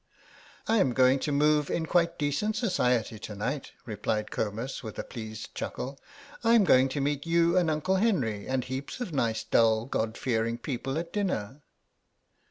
"I'm going to move in quite decent society to night," replied Comus with a pleased chuckle; "I'm going to meet you and Uncle Henry and heaps of nice dull God fearing people at dinner."